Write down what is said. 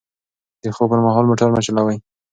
د خوب پر مهال موټر مه چلوئ.